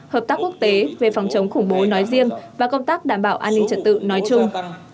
hợp tác quốc tế về phòng chống khủng bố nói riêng và công tác đảm bảo an ninh trật tự nói chung